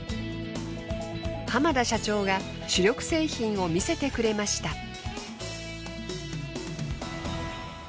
濱田社長が主力製品を見せてくれました。